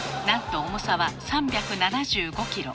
なんと重さは３７５キロ。